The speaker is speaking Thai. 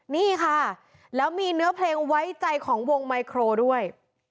นี่ค่ะแล้วมีเนื้อเพลงไว้ใจของวงไมโครด้วย